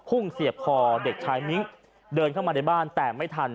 เสียบคอเด็กชายมิ้งเดินเข้ามาในบ้านแต่ไม่ทัน